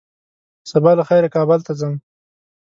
سبا له خيره کابل ته ځم